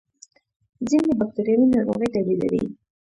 ځینې بکتریاوې ناروغۍ تولیدوي